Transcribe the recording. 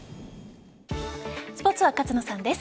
スポーツは勝野さんです。